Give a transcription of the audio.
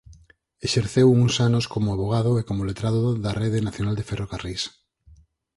Exerceu uns anos como avogado e como letrado da Rede Nacional de Ferrocarrís.